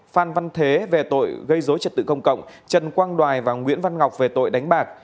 phan văn thế về tội gây dối trật tự công cộng trần quang đoài và nguyễn văn ngọc về tội đánh bạc